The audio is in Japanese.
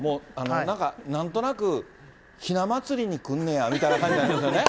なんか、なんとなく、ひな祭りにくんねや、みたいな感じになりますよね。